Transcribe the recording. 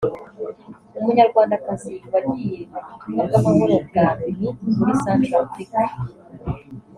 Umunyarwandakazi wagiye mu butumwa bw’amahoro bwa Loni muri Centrafrique